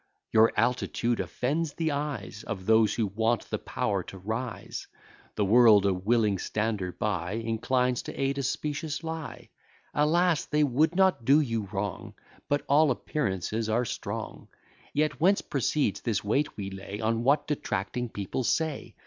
Your altitude offends the eyes Of those who want the power to rise. The world, a willing stander by, Inclines to aid a specious lie: Alas! they would not do you wrong; But all appearances are strong. Yet whence proceeds this weight we lay On what detracting people say!